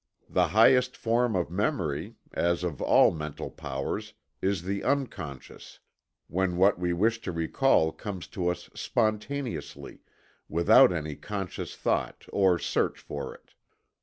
The highest form of memory, as of all the mental powers, is the unconscious when what we wish to recall comes to us spontaneously, without any conscious thought or search for it.